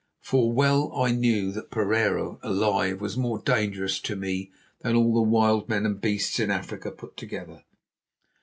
For well I knew that Pereira alive was more dangerous to me than all the wild men and beasts in Africa put together.